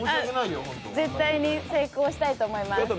絶対に成功したいと思います。